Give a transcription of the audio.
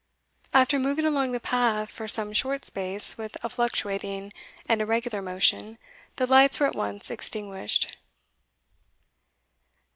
After moving along the path for some short space with a fluctuating and irregular motion, the lights were at once extinguished.